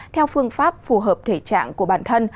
theo phương pháp phù hợp thể trạng của bản thân